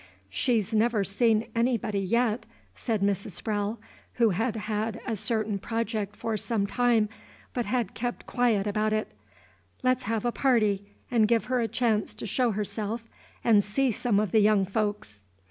"She 's never seen anybody yet," said Mrs. Sprowle, who had had a certain project for some time, but had kept quiet about it. "Let's have a party, and give her a chance to show herself and see some of the young folks."